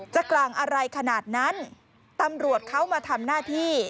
กลางอะไรขนาดนั้นตำรวจเขามาทำหน้าที่